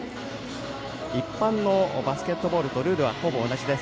一般のバスケットボールとルールはほぼ同じです。